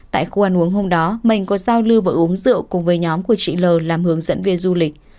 tại khu ăn uống hôm đó mình có giao lưu và uống rượu cùng với nhóm của chị l làm hướng dẫn viên du lịch